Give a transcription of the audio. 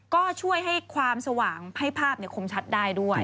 ก็ช่วยให้ความสว่างให้ภาพคมชัดได้ด้วย